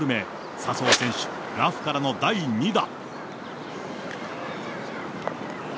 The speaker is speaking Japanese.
笹生選手、ラフからの第２打。